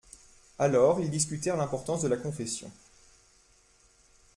Alors ils discutèrent l'importance de la confession.